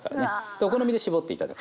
お好みで搾って頂く。